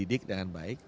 dididik dengan baik